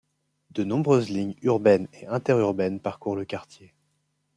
De nombreuses lignes urbaines et interurbaines parcourent le quartier.